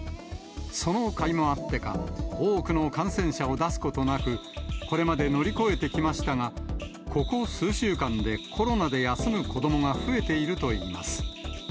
そのかいもあってか、多くの感染者を出すことなく、これまで乗り越えてきましたが、ここ数週間で、コロナで休む子どもが増えているといいます。